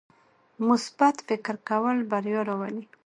مثبت فکر کول بریا راولي.